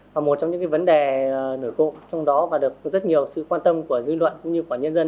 và một trong những vấn đề nổi cộng trong đó và được rất nhiều sự quan tâm của dư luận cũng như của nhân dân